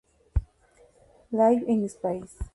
Live In Space!